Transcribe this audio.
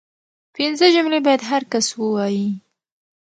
پنځه جملې باید هر کس ووايي